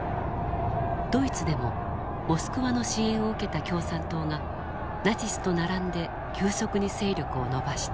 ドイツでもモスクワの支援を受けた共産党がナチスと並んで急速に勢力を伸ばした。